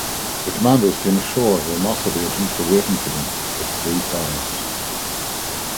The commandos came ashore where Mossad agents were waiting for them with three cars.